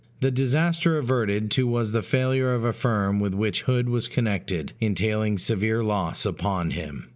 The disaster adverted to was the failure of a firm with which Hood was connected, entailing severe loss upon him.